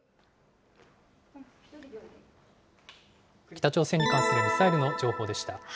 北朝鮮に関するミサイルの情報でした。